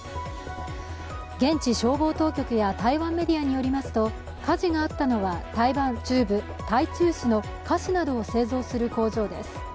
現地消防当局や台湾メディアによりますと火事があったのは台湾中部・台中市の菓子などを製造する工場です。